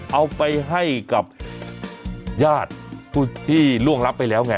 เอาไปให้กับญาติผู้ที่ล่วงรับไปแล้วไง